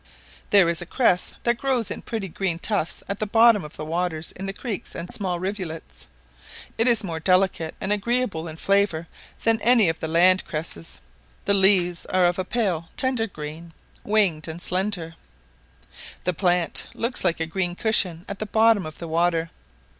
There is a cress that grows in pretty green tufts at the bottom of the waters in the creeks and small rivulets: it is more delicate and agreeable in flavour than any of the land cresses; the leaves are of a pale tender green, winged and slender; the plant looks like a green cushion at the bottom of the water.